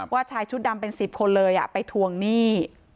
ชายชุดดำเป็น๑๐คนเลยไปทวงหนี้